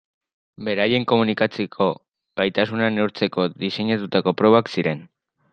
Beraien komunikatzeko gaitasuna neurtzeko diseinatutako probak ziren.